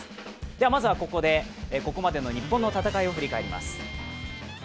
まずは、ここまでの日本の戦いを振り返ります。